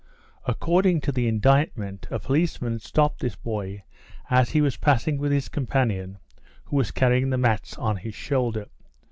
According to the indictment, a policeman had stopped this boy as he was passing with his companion, who was carrying the mats on his shoulder.